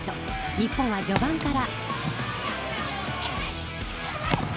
日本は序盤から。